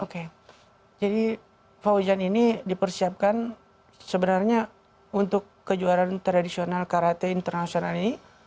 oke jadi fauzan ini dipersiapkan sebenarnya untuk kejuaraan tradisional karate internasional ini